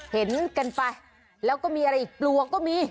เห็นกันไปแล้วก็มีอะไรอีกปลวกก็มี